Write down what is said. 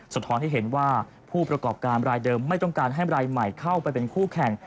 สะท้อนให้เห็นว่าผู้ประกอบการรายเดิมไม่ต้องการให้รายใหม่เข้าไปเป็นคู่แข่ง